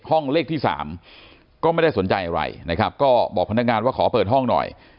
เลขที่สามก็ไม่ได้สนใจอะไรนะครับก็บอกพนักงานว่าขอเปิดห้องหน่อย